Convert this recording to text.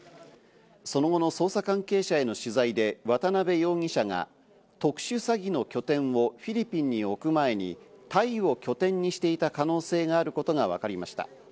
その後の捜査関係者への取材で、渡辺容疑者が特殊詐欺の拠点をフィリピンに置く前にタイを拠点にしていた可能性があることがわかりました。